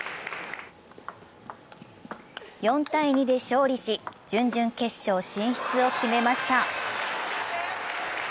４−２で勝利し、準々決勝進出を決めました。